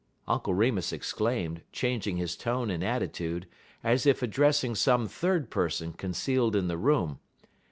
Uncle Remus exclaimed, changing his tone and attitude, as if addressing some third person concealed in the room.